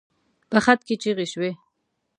په خط کې چيغې شوې.